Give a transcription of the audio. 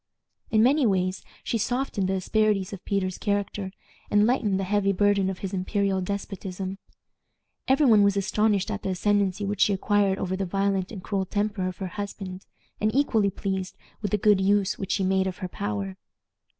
In many ways she softened the asperities of Peter's character, and lightened the heavy burden of his imperial despotism. Every one was astonished at the ascendency which she acquired over the violent and cruel temper of her husband, and equally pleased with the good use which she made of her power.